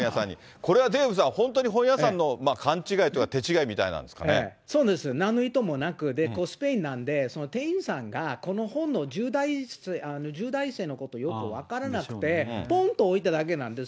これはデーブさん、本当に本屋さんの勘違いというか、手違いみたいなそうです、なんの意図もなく、スペインなんで、店員さんがこの本の重大性のことをよく分からなくて、ぽんと置いただけなんです。